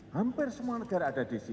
hampir semua negara ada di sini